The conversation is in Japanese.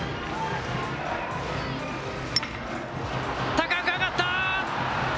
高く上がった。